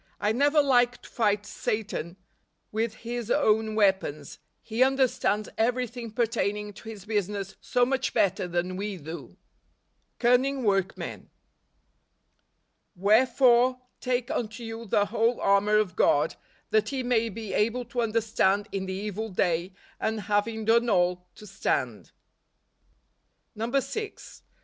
I never like to fight Satan with his own weapons, lie understands everything pertaining to his business so much better than we do. Canning Workmen. " Wherefore, take unto you the tchole armor of God, that ye may be able to withstand in the evil day, and having done all , to stand" NOVEMBER. 125 6.